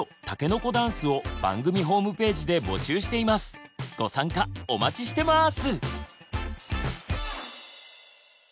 番組ではご参加お待ちしてます！